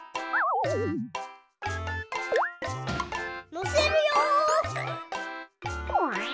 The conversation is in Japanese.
のせるよ。